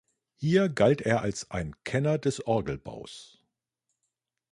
Hier galt er als ein Kenner des Orgelbaus.